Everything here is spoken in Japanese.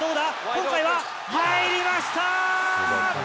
今回は、入りました。